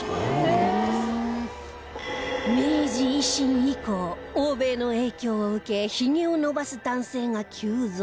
明治維新以降欧米の影響を受けヒゲを伸ばす男性が急増